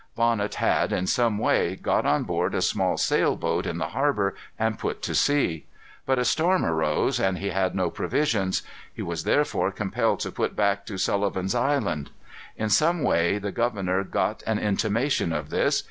Bonnet had, in some way, got on board a small sail boat in the harbor, and put to sea. But a storm arose, and he had no provisions. He was therefore compelled to put back to Sullivan's Island. In some way the governor got an intimation of this.